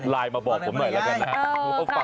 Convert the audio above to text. เอามายายเอามา